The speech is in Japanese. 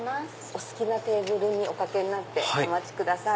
お好きなテーブルにおかけになってお待ちください。